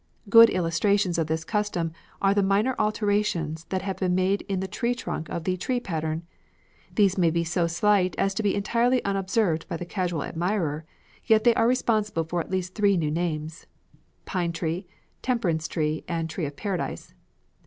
Good illustrations of this custom are the minor alterations which have been made in the tree trunk of the "tree" pattern. These may be so slight as to be entirely unobserved by the casual admirer, yet they are responsible for at least three new names: "Pine Tree," "Temperance Tree," and "Tree of Paradise."